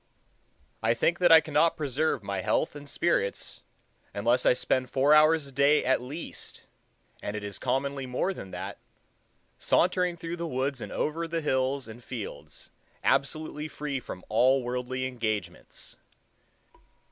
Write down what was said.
I think that I cannot preserve my health and spirits, unless I spend four hours a day at least—and it is commonly more than that—sauntering through the woods and over the hills and fields, absolutely free from all worldly engagements.